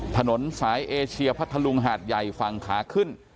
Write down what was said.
ถนนสายเอเชียพัทธลุงหาดใหญ่ฝั่งขาขึ้น